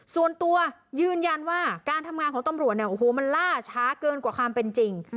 ส่วนตัวยืนยันว่าการทำงานของตำรวจเนี่ยโอ้โหมันล่าช้าเกินกว่าความเป็นจริง